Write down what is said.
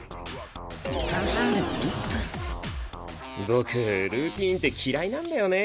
僕ルーティンって嫌いなんだよね